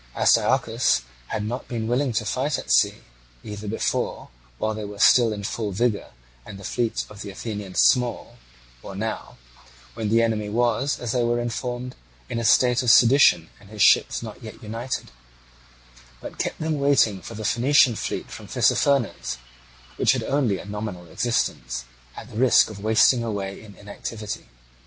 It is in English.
Astyochus had not been willing to fight at sea—either before, while they were still in full vigour and the fleet of the Athenians small, or now, when the enemy was, as they were informed, in a state of sedition and his ships not yet united—but kept them waiting for the Phoenician fleet from Tissaphernes, which had only a nominal existence, at the risk of wasting away in inactivity.